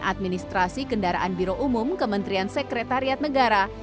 dan administrasi kendaraan biro umum kementrian sekretariat negara